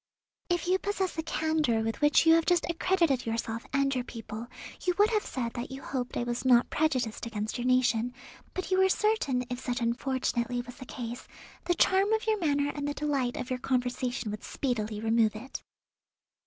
"If you possess the candour with which you have just accredited yourself and your people, you would have said that you hoped I was not prejudiced against your nation, but you were certain, if such unfortunately was the case, the charm of your manner and the delight of your conversation would speedily remove it."